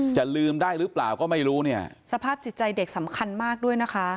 จะลืมได้หรือเปล่าก็ไม่รู้เนี่ยสภาพจิตใจเด็กสำคัญมากด้วยนะคะ